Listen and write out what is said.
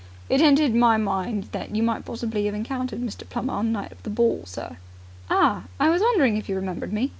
"It entered my mind that you might possibly have encountered Mr. Plummer on the night of the ball, sir." "Ah, I was wondering if you remembered me!"